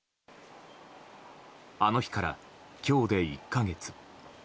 あの日から今日で１か月。